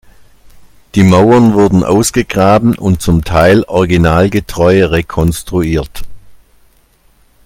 Die Mauern wurden ausgegraben und zum Teil originalgetreu rekonstruiert.